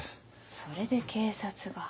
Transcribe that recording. それで警察が。